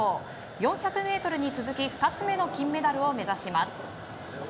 ４００ｍに続き２つ目の金メダルを目指します。